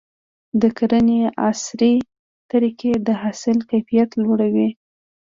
د کرنې عصري طریقې د حاصل کیفیت لوړوي.